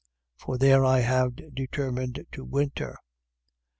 For there I have determined to winter.